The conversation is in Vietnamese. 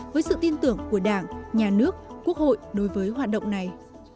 với sự tin tưởng của đảng nhà nước quốc hội đối với hoạt động này